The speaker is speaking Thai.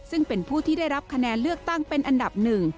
ซึ่งเป็นผู้ที่ได้รับคะแนนเลือกตั้งเป็นอันดับหนึ่ง